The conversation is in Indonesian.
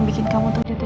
tidak boleh bagaimana